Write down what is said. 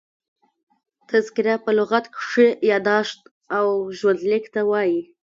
تذکره په لغت کښي یاداشت او ژوند لیک ته وايي.